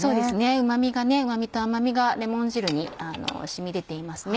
うま味と甘味がレモン汁に染み出ていますね。